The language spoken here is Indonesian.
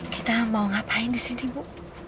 kita mau ngapain di sini bu